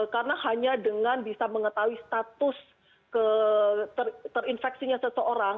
karena hanya dengan bisa mengetahui status terinfeksinya seseorang